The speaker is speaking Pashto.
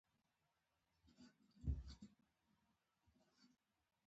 الله ته تسلیمېدل د حقیقي ازادۍ مانا ده.